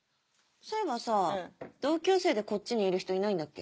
そういえばさ同級生でこっちにいる人いないんだっけ？